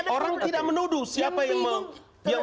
orang tidak menuduh siapa yang